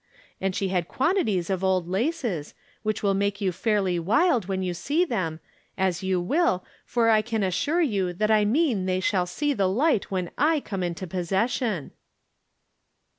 And she had quantities of old laces, which ^7111 make you fairly wild when you 294 From Different Standpoints. see them, as you will, for I can assixre you tliat I mean they shall see the light when I come into possession."